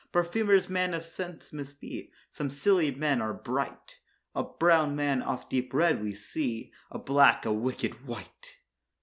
Perfumers, men of scents must be, some Scilly men are bright; A brown man oft deep read we see, a black a wicked wight.